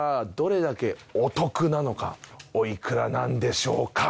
おいくらなんでしょうか？